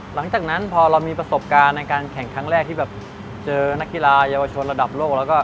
หลังจากนั้นพอเรามีประสบการณ์ในการแข่งครั้งแรกที่แบบเจอนักกีฬาเยาวชนระดับโลกแล้วก็